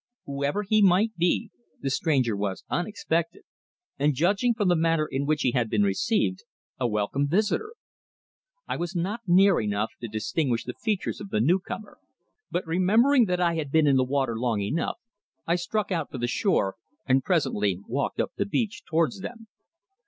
Whoever he might be, the stranger was unexpected, and judging from the manner in which he had been received, a welcome visitor. I was not near enough to distinguish the features of the newcomer, but remembering that I had been in the water long enough, I struck out for the shore, and presently walked up the beach towards them.